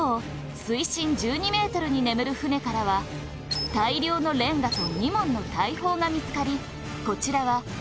水深１２ｍに眠る船からは大量のレンガと２門の大砲が見つかり